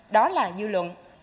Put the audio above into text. đó là dư luận